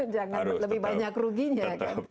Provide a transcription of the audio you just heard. jangan lebih banyak ruginya